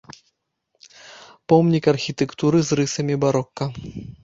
Помнік архітэктуры з рысамі барока.